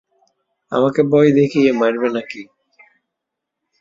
আমাকে ভয় দেখিয়ে মারবে নাকি?